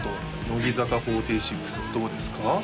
乃木坂４６はどうですか？